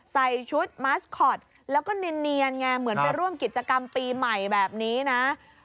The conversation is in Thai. ใส่ชุดมัสคอตแล้วก็เนียนไงเหมือนไปร่วมกิจกรรมปีใหม่แบบนี้นะ